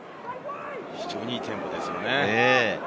非常にいいテンポですよね。